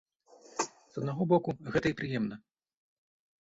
З аднаго боку, гэта і прыемна.